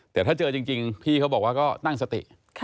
แต่ถ้าเจอจริงพี่เขาบอกว่าก็ตั้งสติ